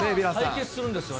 対決するんですよね。